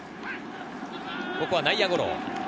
ここは内野ゴロ。